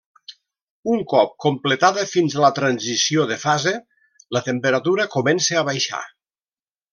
Un cop completada fins a la transició de fase, la temperatura comença a baixar.